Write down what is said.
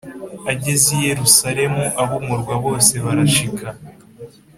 Ageze i Yerusalemu ab’umurwa bose barashika